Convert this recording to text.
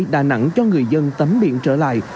đà nẵng cho người dân tắm biển trở lại